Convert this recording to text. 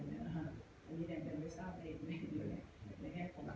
เนี้ยอ่าอันนี้แดงกันไม่ทราบเนี้ยไม่เหมือนแบบนี้